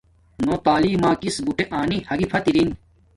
نو تعلیم ما کس بوٹے آنی ھاگینی فت این